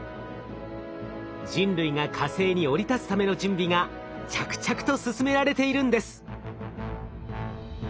人類が火星に降り立つための準備が着々と進められているんです。